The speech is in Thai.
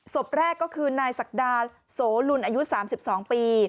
ศพแรกก็คือนายศักดาโสลุนอายุ๓๒ปี